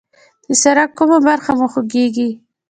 د سر کومه برخه مو خوږیږي؟